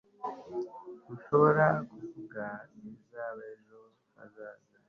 ntushobora kuvuga ibizaba ejo hazaza